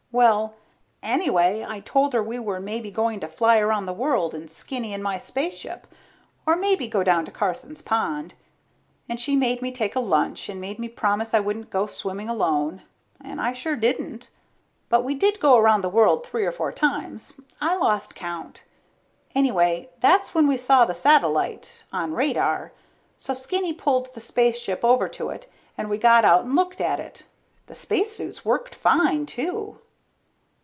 Well ... anyway I told her we were maybe going to fly around the world in Skinny and my spaceship, or maybe go down to Carson's pond. And she made me take a lunch and made me promise I wouldn't go swimming alone, and I sure didn't. But we did go around the world three or four times. I lost count. Anyway that's when we saw the satellite on radar. So Skinny pulled the spaceship over to it and we got out and looked at it. The spacesuits worked fine, too.